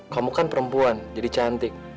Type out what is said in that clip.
kamu kan perempuan jadi cantik